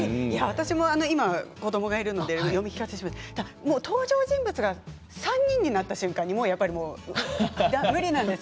私も今子どもがいるので読み聞かせしますが登場人物が３人になった瞬間にもう無理なんです。